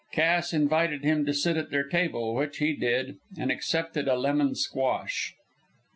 Cass invited him to sit at their table, which he did, and accepted a lemon squash.